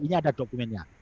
ini ada dokumennya